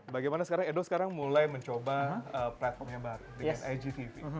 bagaimana sekarang edo sekarang mulai mencoba platform yang baru dengan igtv